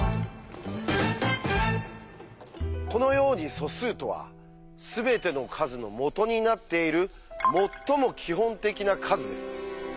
このように素数とは全ての数のもとになっている「最も基本的な数」です。